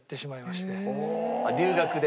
留学で？